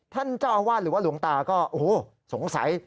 ท่านเจ้าอาวาสหรือว่าหลวงตาก็โอ้โหสงสัย